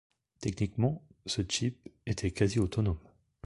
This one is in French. Techniquement, ce chip était quasi-autonome.